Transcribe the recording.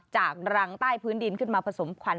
จากรังใต้พื้นดินขึ้นมาผสมควัน